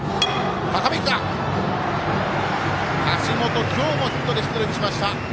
橋本、今日もヒットで出塁しました。